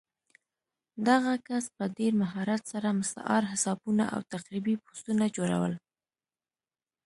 دغه کس به په ډېر مهارت سره مستعار حسابونه او تخریبي پوسټونه جوړول